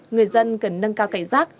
người dân cần nâng cao cảnh giác